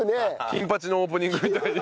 『金八』のオープニングみたいに。